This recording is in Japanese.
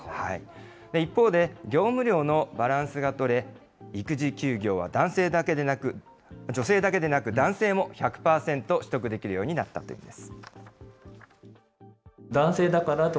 一方で、業務量のバランスが取れ、育児休業は女性だけでなく男性も１００％取得できるようになったということです。